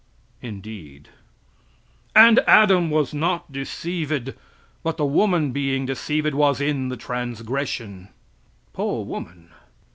(Indeed!) "And Adam was not deceived, but the woman being deceived, was in the transgression." (Poor woman!)